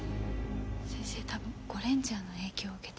先生多分『ゴレンジャー』の影響を受けて。